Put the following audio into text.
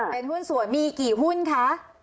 เป็นหุ้นส่วนมีกี่หุ้นคะ